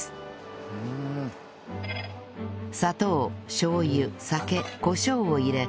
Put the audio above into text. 砂糖しょう油酒コショウを入れ